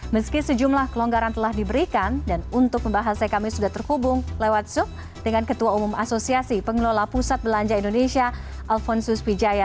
meski sejumlah kelonggaran telah diberikan dan untuk pembahasnya kami sudah terhubung lewat zoom dengan ketua umum asosiasi pengelola pusat belanja indonesia alfonsus pijaya